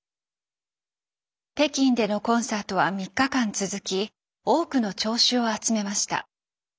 北京でのコンサートは３日間続き多くの聴衆を集めました。